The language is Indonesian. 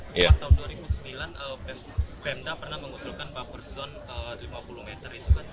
sejak tahun dua ribu sembilan pemda pernah mengusulkan buffer zone lima puluh meter itu kan